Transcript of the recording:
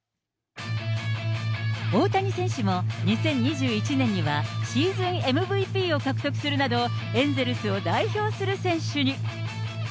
大谷選手も、２０２１年にはシーズンＭＶＰを獲得するなど、エンゼルスを代表する選手に。